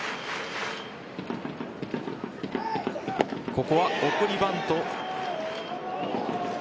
ここは送りバント。